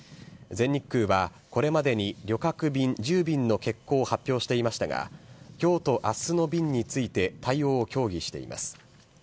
全日空は、これまでに旅客便１０便の欠航を発表していましたが、きょうとあすの便について対応を協議しています。